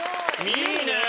いいねぇ。